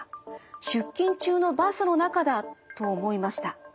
出勤中のバスの中だ」と思いました。